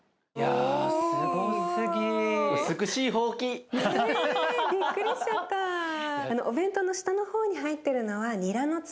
あのお弁当の下の方に入ってるのはニラのつぼみだね。